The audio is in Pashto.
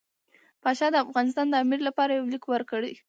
پاشا د افغانستان د امیر لپاره یو لیک ورکړ.